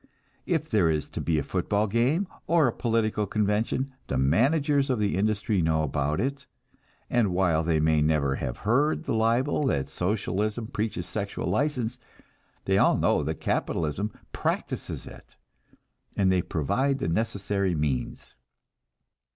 If there is to be a football game, or a political convention, the managers of the industry know about it, and while they may never have heard the libel that Socialism preaches sexual license, they all know that capitalism practices it, and they provide the necessary means.